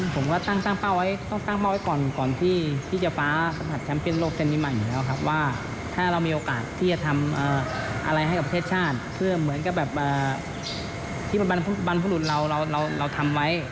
ผมก็ตั้งเป้าไว้ต้องตั้งเป้าไว้ก่อนก่อนที่จะฟ้าหัดแปมเปี้โลกเช่นนี้มาอยู่แล้วครับว่าถ้าเรามีโอกาสที่จะทำอะไรให้กับประเทศชาติเพื่อเหมือนกับแบบที่บรรพรุษลเราทำไว้